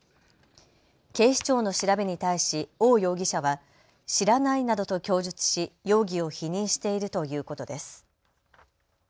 警視庁の調べに対し、翁容疑者は知らないなどと供述し容疑を否認しているということです。